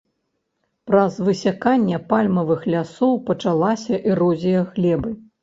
Праз высяканне пальмавых лясоў пачалася эрозія глебы.